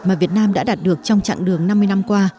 mà việt nam đã đạt được trong chặng đường năm mươi năm qua